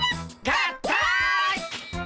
合体！